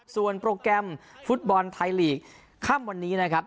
ส่วนโปรแกรมฟุตบอลไทยลีกค่ำวันนี้นะครับ